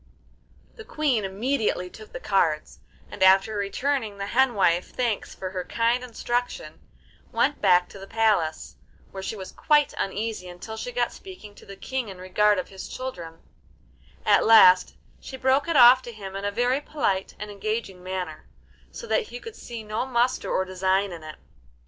The Queen immediately took the cards, and, after returning the hen wife thanks for her kind instruction, went back to the palace, where she was quite uneasy until she got speaking to the King in regard of his children; at last she broke it off to him in a very polite and engaging manner, so that he could see no muster or design in it.